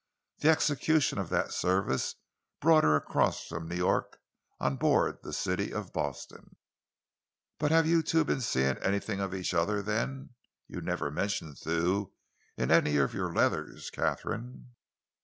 The execution of that service brought her across from New York on board the City of Boston." "But have you two been seeing anything of one another, then? You never mentioned Thew in any of your letters, Katharine?"